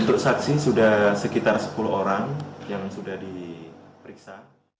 untuk saksi sudah sekitar sepuluh orang yang sudah diperiksa